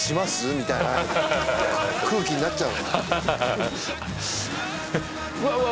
みたいな空気になっちゃううわうわ